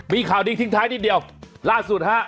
มีข่าวดีทิ้งท้ายนิดเดียวล่าสุดฮะ